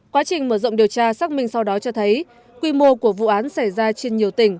quá trình mở rộng điều tra xác minh sau đó cho thấy quy mô của vụ án xảy ra trên nhiều tỉnh